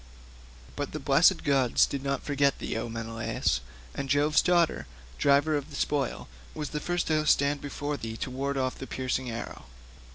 But the blessed gods did not forget thee, O Menelaus, and Jove's daughter, driver of the spoil, was the first to stand before thee and ward off the piercing arrow.